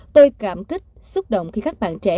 tôi cảm kích xúc động khi các bạn trẻ